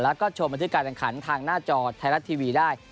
แล้วก็โชว์มาถึงการจังขันทางหน้าจอไทยรัฐทีวีได้